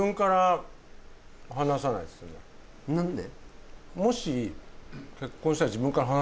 何で？